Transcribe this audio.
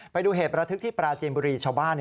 ไปดูเหตุประทึกที่ปราจีนบุรีชาวบ้าน